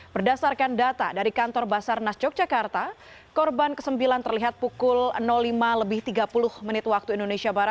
berdasarkan data dari kantor basarnas yogyakarta korban ke sembilan terlihat pukul lima tiga puluh wib